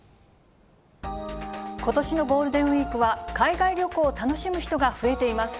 ことしのゴールデンウィークは、海外旅行を楽しむ人が増えています。